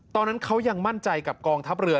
ตอนนั้นเขายังมั่นใจกับกองทัพเรือ